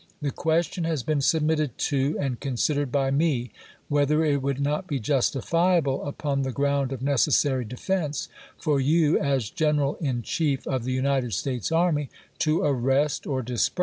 The question has been submitted to and consid ered by me, whether it would not be justifiable, upon the ground of necessary defense, for you, as General in Chief of the United States Army, to arrest or disperse 168 ABRAHAM LINCOLN Chap.